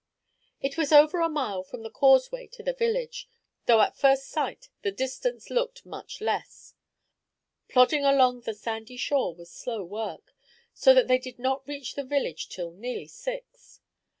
It was over a mile from the causeway to the village, though at first sight the distance looked much less Plodding along the sandy shore was slow work, so that they did not reach the village till nearly six.